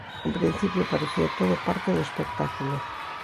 Nun principio parecía todo parte do espectáculo.